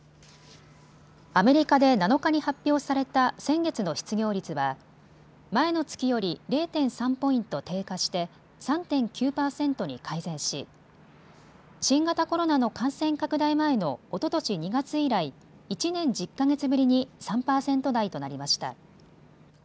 アメリカで７日に発表された先月の失業率は前の月より０．３ポイント低下して３．９％に改善し新型コロナの感染拡大前のおととし２月以来、１年１０か月ぶりに３％台となりました。